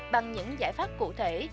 bằng những giải pháp cụ thể